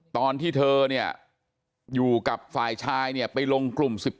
ตอนที่เธอเนี่ยอยู่กับฝ่ายชายเนี่ยไปลงกลุ่ม๑๘